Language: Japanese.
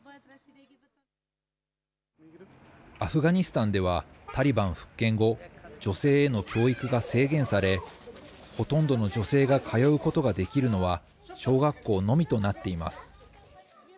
アフガニスタンでは、タリバン復権後、女性への教育が制限され、ほとんどの女性が通うことができるのは、小学校のみとなっています。